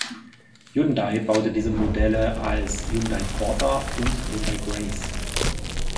Hyundai baute diese Modelle als Hyundai Porter und Hyundai Grace.